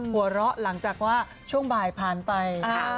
หัวเราะหลังจากว่าช่วงบ่ายผ่านไป